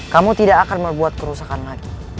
kamu tidak akan membuat kerusakan lagi